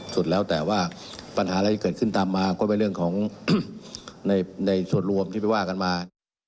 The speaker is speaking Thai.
สุดแล้วแต่ว่าปัญหาอะไรที่เกิดขึ้นตามมาก็เป็นเรื่องของในส่วนรวมที่ไปว่ากันมา